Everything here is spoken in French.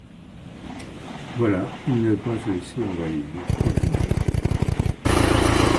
Voilà, ne pas se laisser envahir, point final.